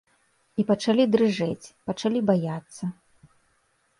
І пачалі дрыжэць, пачалі баяцца.